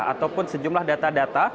ataupun sejumlah data data